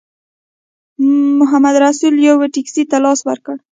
محمدرسول یوې ټیکسي ته لاس ورکړ.